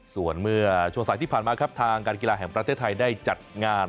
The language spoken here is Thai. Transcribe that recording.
ส่วนเมื่อช่วงสายที่ผ่านมาครับทางการกีฬาแห่งประเทศไทยได้จัดงาน